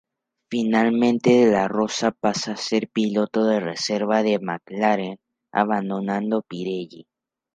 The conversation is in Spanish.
Finalmente De la Rosa pasa a ser piloto de reserva de McLaren, abandonando Pirelli.